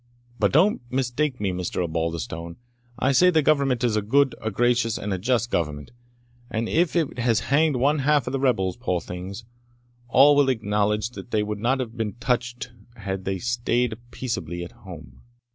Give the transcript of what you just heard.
But don't mistake me, Mr. Osbaldistone; I say the Government is a good, a gracious, and a just Government; and if it has hanged one half of the rebels, poor things, all will acknowledge they would not have been touched had they staid peaceably at home."